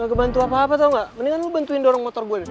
gak kebantu apa apa tau gak mendingan lo bantuin dorong motor gue